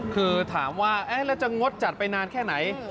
คือถามว่าแล้วจะงดจัดไปนานแค่ไหน